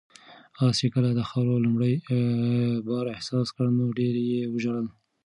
آس چې کله د خاورو لومړی بار احساس کړ نو ډېر یې وژړل.